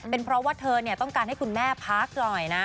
เป็นเพราะว่าเธอต้องการให้คุณแม่พักหน่อยนะ